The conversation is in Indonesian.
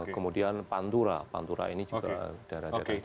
kemudian pantura pantura ini juga daerah daerah